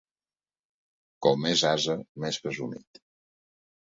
Com més ase, més presumit.